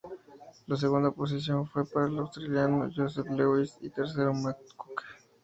La segunda posición fue para el australiano Joseph Lewis y tercero Matt Cooke.